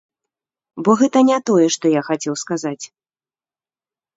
Бо гэта не тое, што я хацеў сказаць.